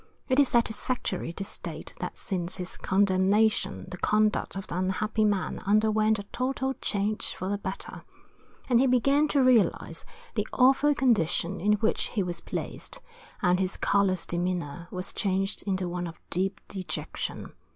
It is satisfactory to state that since his condemnation the conduct of the unhappy man underwent a total change for the better, and he began to realize the awful condition in which he was placed, and his callous demeanour was changed into one of deep dejection.